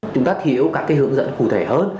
chúng ta hiểu các hướng dẫn cụ thể hơn